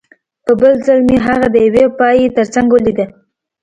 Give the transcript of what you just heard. په بل ځل مې هغه د یوې پایې ترڅنګ ولیده